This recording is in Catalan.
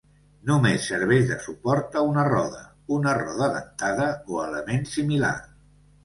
Només serveix de suport a una roda, una roda dentada o element similar.